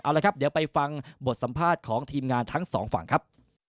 เอาละครับเดี๋ยวไปฟังบทสัมภาษณ์ของทีมงานทั้งสองฝั่งครับ